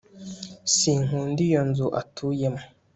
Sinkunda iyo nzu atuyemo